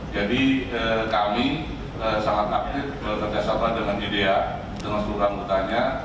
jadi kami sangat aktif berkesan dengan idea dengan seluruh rambutannya